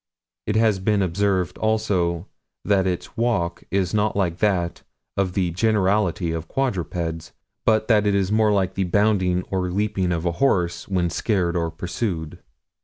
It has been observed also that its walk is not like that of the generality of quadrupeds, but that it is more like the bounding or leaping of a horse when scared or pursued.